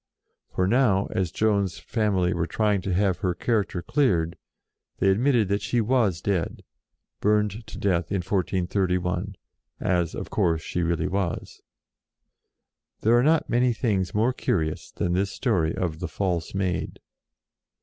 For now, as Joan's family were trying to have her character cleared, they admitted that she was dead, burned to death in 1431, as, of course, she really was. There are not many things more curious than this story of the False Maid.